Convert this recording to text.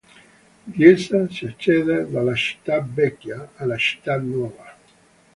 Da essa si accede dalla Città Vecchia alla Città Nuova.